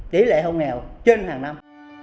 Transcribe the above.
tỷ lệ hôn nghèo trên hàng năm